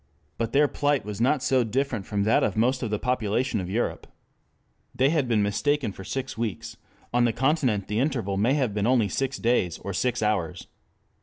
But their plight was not so different from that of most of the population of Europe. They had been mistaken for six weeks, on the continent the interval may have been only six days or six hours.